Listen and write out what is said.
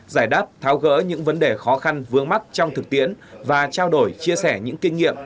giải đáp tháo gỡ những vấn đề khó khăn vướng mắt trong thực tiễn và trao đổi chia sẻ những kinh nghiệm